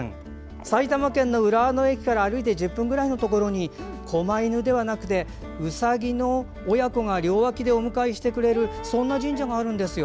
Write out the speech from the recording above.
埼玉県浦和の駅から歩いて１０分ぐらいのところにこま犬ではなくてウサギの親子が両脇でお迎えしてくれる神社があるんですよ。